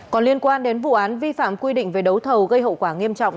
còn liên quan đến vụ án vi phạm quy định về đấu thầu gây hậu quả nghiêm trọng